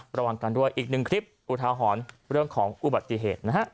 ระวังกันด้วยอีกหนึ่งคลิปอุทาหรณ์เรื่องของอุบัติเหตุนะฮะ